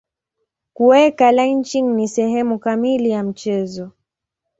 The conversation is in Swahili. Kuweka lynching ni sehemu kamili ya mchezo.